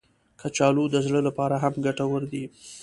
کچالو د زړه لپاره هم ګټور دي